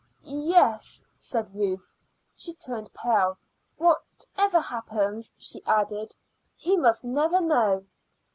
"Yes," said Ruth. She turned pale. "Whatever happens," she added, "he must never know."